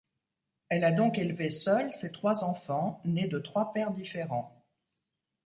Elle a donc élevé seule ses trois enfants nés de trois pères différents.